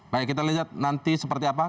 baik kita lihat nanti seperti apa